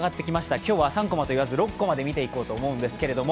今日は３コマといわず、６コマで見ていこうと思います。